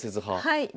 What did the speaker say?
はい。